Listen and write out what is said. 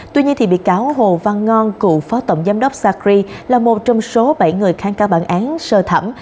tuy nhiên bị cáo hồ văn ngon cựu phó tổng giám đốc sacri là một trong số bảy người kháng cáo bản án sơ thẩm